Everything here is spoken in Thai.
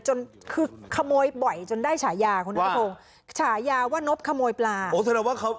จนคือขโมยบ่อยจนได้ฉายาว่าฉายาว่านบขโมยปลาโอ้ซึ่งเราว่าเขา